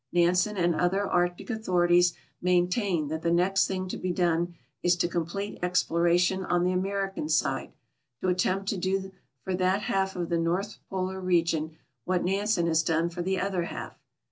Nan.sen and other Arctic authorities maintain that the next thing to be done is to complete exploration on the American side — to attempt to do for that half of the North Polar region what Nansen has done for the other half.